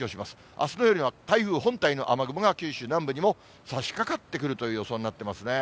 あすの夜は台風本体の雨雲が九州南部にもさしかかってくるという予想になってますね。